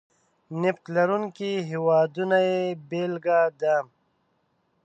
نفت لرونکي هېوادونه یې بېلګه ده.